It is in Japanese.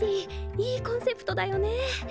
いいコンセプトだよね。